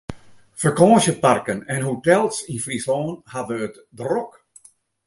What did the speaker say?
Fakânsjeparken en hotels yn Fryslân hawwe it drok.